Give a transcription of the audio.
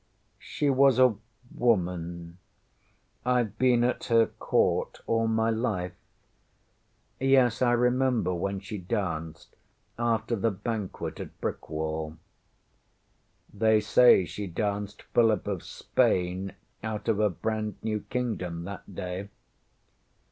She was a woman. IŌĆÖve been at her Court all my life. Yes, I remember when she danced after the banquet at Brickwall. They say she danced Philip of Spain out of a brand new kingdom that day.